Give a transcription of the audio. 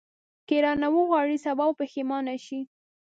که یې راونه غواړې سبا به پښېمانه شې.